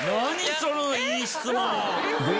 そのいい質問！